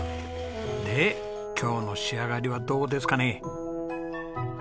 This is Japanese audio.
で今日の仕上がりはどうですかね？